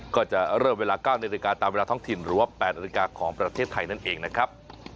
ก็จะเริ่มเวลา๙นาฬิกาตามเวลาท้องถิ่นหรือว่า๘นาฬิกาของประเทศไทยนั่นเองนะครับ